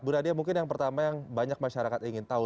bu nadia mungkin yang pertama yang banyak masyarakat ingin tahu